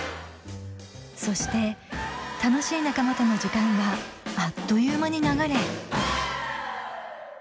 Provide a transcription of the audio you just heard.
そして楽しい仲間との時間があっという間に流れ